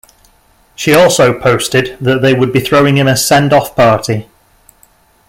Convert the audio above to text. She also posted that they would be throwing him a send-off party.